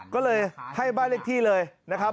ก็เลยให้บ้านเลขที่เลยนะครับ